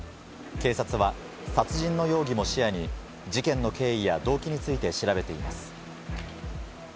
警察は殺人の容疑も視野に事件の経緯や動機について調べています。